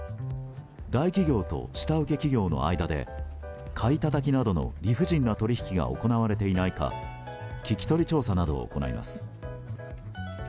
大企業と下請け企業の間で買いたたきなどの理不尽な取引が行われていないか聞き取り調査などを行います。